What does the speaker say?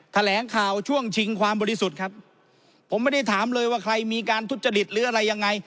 แถลงข่าวช่วงชิงความบริสุทธิ์ครับผมไม่ได้ถามเลยว่าใครมีการทุจริตหรืออะไรยังไง